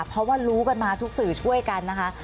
เพราะว่ารู้กันมาทุกสื่อช่วยกันนะคะ